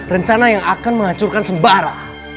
rencana yang akan menghancurkan sembara